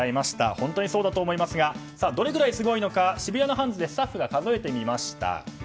本当にそうだと思いますがどれぐらいすごいのか渋谷のハンズでスタッフが数えてみました。